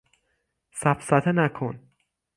سفسطه نکن